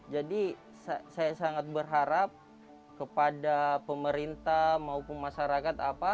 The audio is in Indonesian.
jadi saya sangat berharap kepada pemerintah maupun masyarakat